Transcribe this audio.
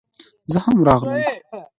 زه هم راغلم